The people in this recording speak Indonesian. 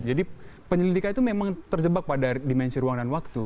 jadi penyelidikan itu memang terjebak pada dimensi ruang dan waktu